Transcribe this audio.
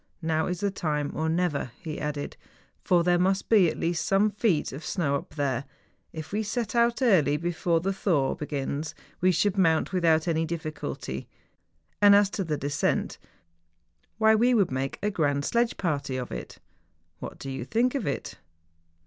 Now is the time or never,' he added; 'for there must be at least some feet of snow up there ; if we set out early before the thaw begins we should mount without any difficulty : and as to the descent, why we would make a grand sledge party of it. What do you think of it